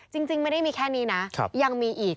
จริงไม่ได้มีแค่นี้นะยังมีอีก